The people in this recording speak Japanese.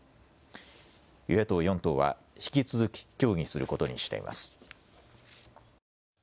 与野党４党は引き続き協議することにしています。